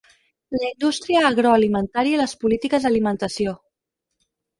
La indústria agroalimentària i les polítiques d'alimentació.